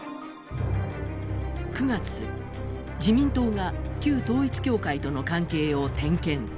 ９月、自民党が旧統一教会との関係を点検。